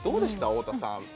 太田さん。